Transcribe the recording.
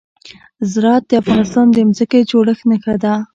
زراعت د افغانستان د ځمکې د جوړښت نښه ده.